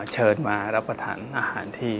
เชิญมารับประทานอาหารที่